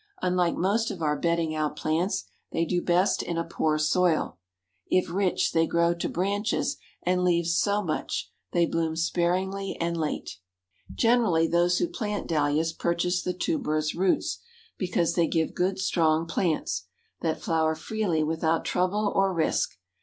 Unlike most of our bedding out plants, they do best in a poor soil; if rich, they grow to branches and leaves so much, they bloom sparingly and late. Generally those who plant Dahlias purchase the tuberous roots, because they give good strong plants, that flower freely without trouble or risk.